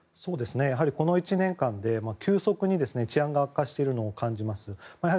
やはりこの１年間で急速に治安が悪化しているのを感じます。